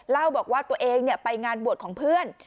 เล่าบอกว่าตัวเองไปงานบวชของเพื่อน